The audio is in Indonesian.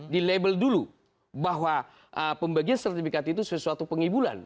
di label dulu bahwa pembagian sertifikat itu sesuatu pengibulan